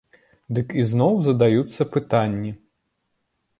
Дык ізноў задаюцца пытанні.